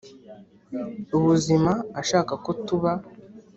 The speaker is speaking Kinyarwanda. Ubuzima ashaka ko tuba